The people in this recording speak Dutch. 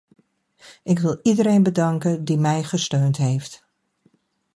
Ik wil iedereen bedanken die mij gesteund heeft.